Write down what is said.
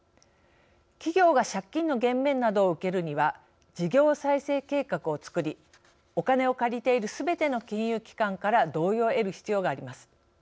企業が借金の減免などを受けるには事業再生計画をつくりお金を借りているすべての金融機関から同意を得る必要があります。